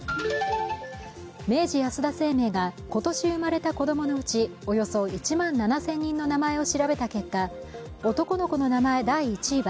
明治安田生命が今年生まれた子供のうちおよそ１万７０００人の名前を調べた結果、男の子の名前第１位は